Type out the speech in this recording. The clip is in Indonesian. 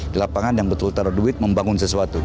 di lapangan yang betul taruh duit membangun sesuatu